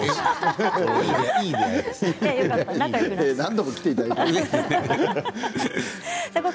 何度も来ていただいて。